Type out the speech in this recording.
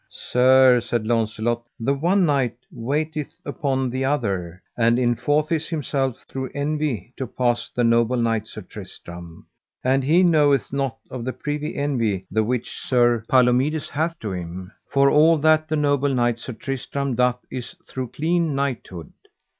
Sir, said Launcelot, the one knight waiteth upon the other, and enforceth himself through envy to pass the noble knight Sir Tristram, and he knoweth not of the privy envy the which Sir Palomides hath to him; for all that the noble Sir Tristram doth is through clean knighthood.